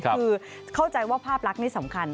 คือเข้าใจว่าภาพลักษณ์นี่สำคัญ